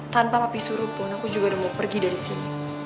tanpa api suruh pun aku juga mau pergi dari sini